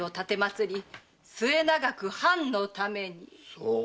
そう。